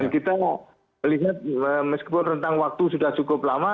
kita melihat meskipun rentang waktu sudah cukup lama